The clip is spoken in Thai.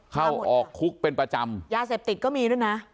เข้าออกคุกเป็นประจำยาเสพติดก็มีด้วยนะ